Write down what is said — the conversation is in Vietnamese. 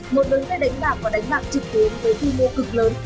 một đối tượng đánh bạc và đánh mạng trực tuyến với thư mô cực lớn